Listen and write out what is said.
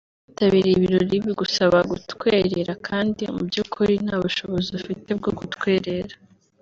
Kwitabira ibirori bigusaba gutwerera kandi mu by’ukuri nta bushobozi ufite bwo gutwerera